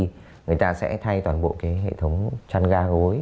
thì người ta sẽ thay toàn bộ cái hệ thống chăn ga gối